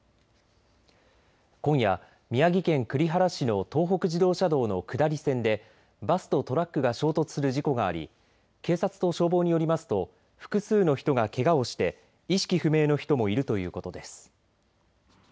今夜、宮城県栗原市の東北自動車道の下り線でバスとトラックが衝突する事故があり警察と消防によりますと複数の人がけがをして意識不明の人もいるということです。